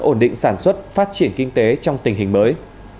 ổn định sản xuất phát triển kinh tế trong tình hình mới